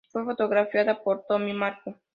Fue fotografiada por Tony Marco.